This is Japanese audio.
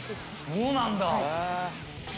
そうなんだ。